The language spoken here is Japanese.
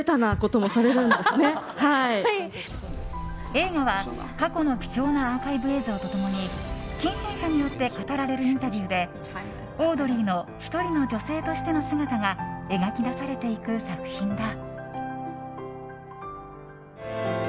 映画は、過去の貴重なアーカイブ映像と共に近親者によって語られるインタビューでオードリーの１人の女性としての姿が描き出されていく作品だ。